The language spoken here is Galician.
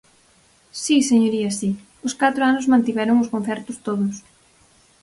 Si, señoría, si, os catro anos mantiveron os concertos, todos.